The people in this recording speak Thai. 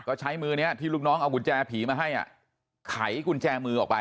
ก็ใช้มือนี้ที่ลูกน้องเอากุญแจผีมาให้ไขกุญแจมือออกไป